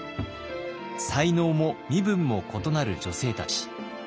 才能も身分も異なる女性たち。